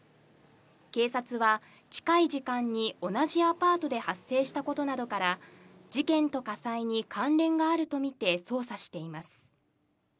警察は近い時間に同じアパートで発生したことなどから、事件と火災に関連があるとみて捜査しています。